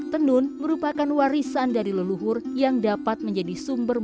tendun merupakan warisan dari leluhur yang dapat menjadi sumber mata peneliti